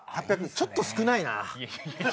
ちょっと少ないなぁ。